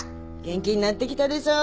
元気になってきたでしょ。